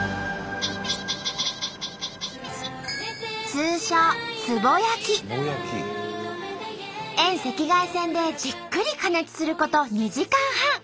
通称遠赤外線でじっくり加熱すること２時間半。